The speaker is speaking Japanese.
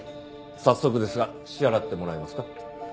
早速ですが支払ってもらえますか？